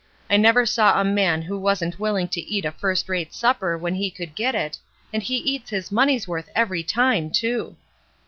I never saw a man who wasn't willing to eat a first rate supper when he could get it, and he eats his money's worth every time, too.